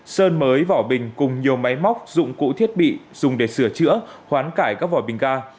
sơn mới vỏ bình cùng nhiều máy móc dụng cụ thiết bị dùng để sửa chữa hoán cải các vỏ bình ga